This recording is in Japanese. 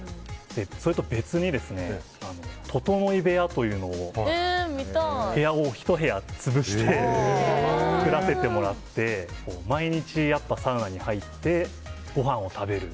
それと別にととのい部屋というのを部屋を１部屋潰して作らせてもらって毎日サウナに入ってごはんを食べる。